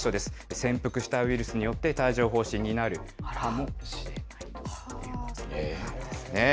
潜伏したウイルスによって帯状ほう疹になるかもしれないです。